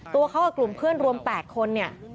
ตัวเขากับกลุ่มเพื่อนรวม๘คนเนี่ย